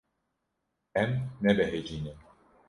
Em nebehecî ne.